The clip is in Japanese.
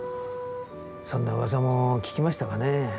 そんなうわさも聞きましたかね。